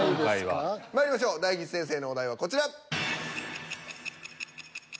まいりましょう大吉先生へのお題はこちら。